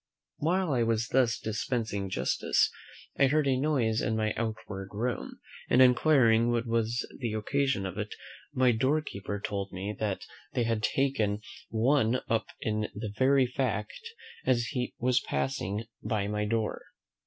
While I was thus dispensing justice, I heard a noise in my outward room; and inquiring what was the occasion of it, my door keeper told me, that they had taken one up in the very fact as he was passing by my door.